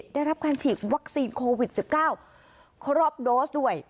ได้รับการฉีดวัคซีนโควิด๑๙ครบโดสด้วย